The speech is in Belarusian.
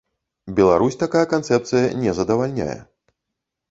Беларусь такая канцэпцыя не задавальняе.